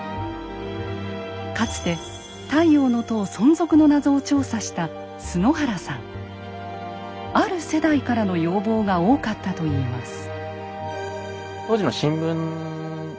かつて「太陽の塔」存続の謎を調査したある世代からの要望が多かったといいます。